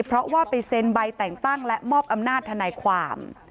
เพราะว่าไปเซ็นใบแต่งตั้งและมอบอำนาจทนายความ